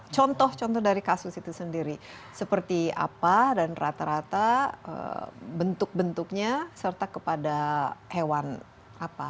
contoh contoh dari kasus itu sendiri seperti apa dan rata rata bentuk bentuknya serta kepada hewan apa